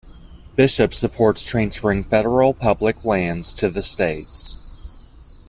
Bishop supports transferring federal public lands to the states.